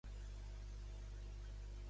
Southern a la banda Souther-Hillman-Furay.